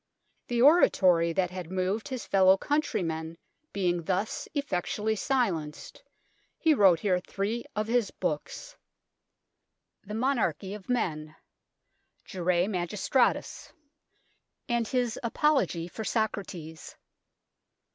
The oratory that had moved his fellow country men being thus effectually silenced, he wrote here three of his books, " The Monarchy of Men," " Jure Magistratis," and his " Apology for Socrates."